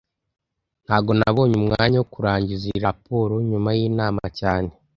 Ntago nabonye umwanya wo kurangiza iyi raporo nyuma yinama cyane